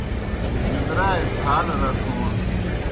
جُدرائے پھالہ رڇھون